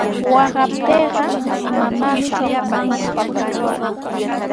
Waqaptiiqa mamaami shuqamanqa.